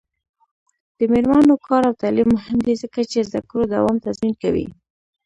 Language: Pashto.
د میرمنو کار او تعلیم مهم دی ځکه چې زدکړو دوام تضمین کوي.